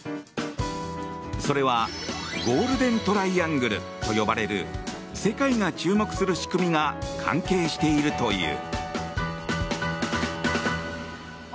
それはゴールデントライアングルと呼ばれる世界が注目する仕組みが関係しているという。